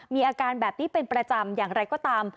มีอาการแบบนี้เป็นประจำอย่างไรก็ตาม